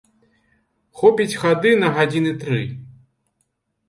Хопіць хады на гадзіны тры.